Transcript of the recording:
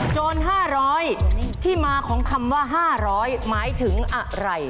โจร๕๐๐ที่มาของคำว่า๕๐๐หมายถึงอะไร